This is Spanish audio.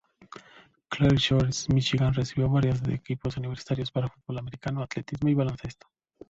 Clair Shores, Michigan, recibió varias de equipos universitarios para fútbol americano, atletismo y baloncesto.